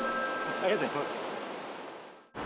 ありがとうございます。